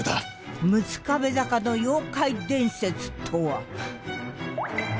六壁坂の妖怪伝説とは？